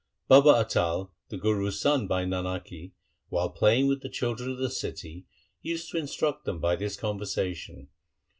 Baba Atal, the Guru's son by Nanaki, while playing with the children of the city used to instruct them by his conversation.